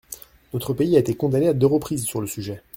Notre pays a été condamné à deux reprises sur le sujet.